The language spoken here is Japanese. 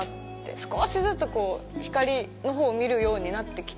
少しずつ光のほうを見るようになって来て。